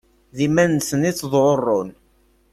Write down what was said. D iman-nsen i ttḍurrun.